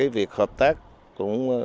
việc hợp tác